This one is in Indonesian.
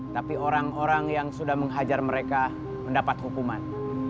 tapi orang orang yang sudah menghajar mereka mendapat hukuman